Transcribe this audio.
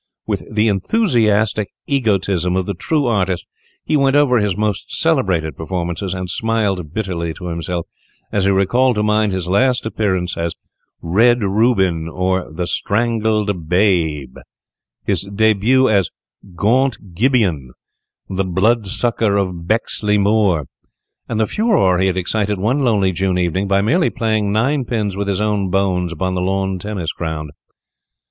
With the enthusiastic egotism of the true artist, he went over his most celebrated performances, and smiled bitterly to himself as he recalled to mind his last appearance as "Red Reuben, or the Strangled Babe," his début as "Guant Gibeon, the Blood sucker of Bexley Moor," and the furore he had excited one lovely June evening by merely playing ninepins with his own bones upon the lawn tennis ground.